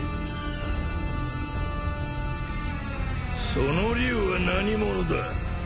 その龍は何者だ？